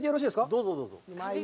どうぞ、どうぞ。